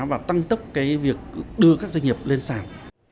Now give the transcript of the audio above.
và tăng tốc cái việc đưa các doanh nghiệp lên sàn